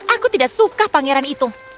aku tidak suka pangeran itu